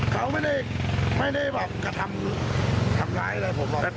เขาไม่ได้แบบกระทำหลายนะครับผม